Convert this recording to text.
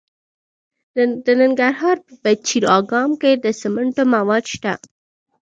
د ننګرهار په پچیر اګام کې د سمنټو مواد شته.